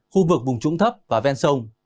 khu vực vùng trũng thấp và ven sông